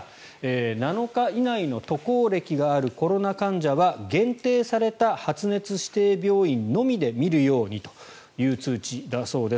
７日以内の渡航歴があるコロナ患者は限定された発熱指定病院のみで診るようにという通知だそうです。